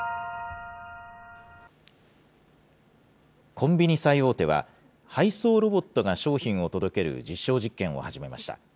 コンビニ最大手は、配送ロボットが商品を届ける実証実験を始めました。